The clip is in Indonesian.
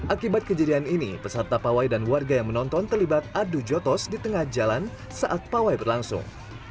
akibat kejadian ini peserta pawai dan warga yang menonton terlibat adu jotos di tengah jalan saat pawai berlangsung